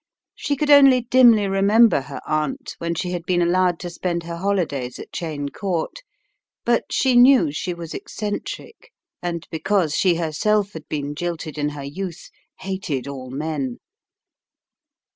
She could only dimly remember her aunt when she had been allowed to spend her holidays at Cheyne Court, but she knew she was eccentric, and because she herself had been jilted in her youth hated all men.